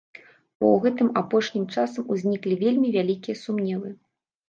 Бо ў гэтым апошнім часам узніклі вельмі вялікія сумневы.